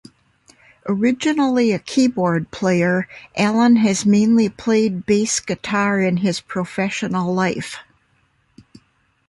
Originally a keyboard player, Alan has mainly played Bass Guitar in his professional life.